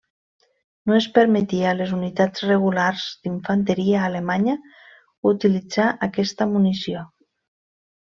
No es permetia a les unitats regulars d'infanteria alemanya utilitzar aquesta munició.